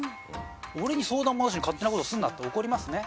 「俺に相談もなしに勝手な事すんな」って怒りますね。